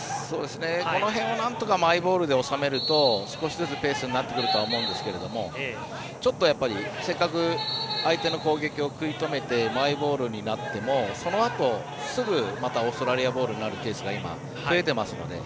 この辺をなんとかマイボールで収めると少しずつペースになってくるとは思うんですけどちょっと、せっかく相手の攻撃を食い止めてマイボールになっても、そのあとすぐ、またオーストラリアボールになるケースが今、増えてますので。